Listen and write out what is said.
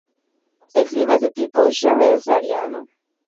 El clima es de tipo sahel-sahariano.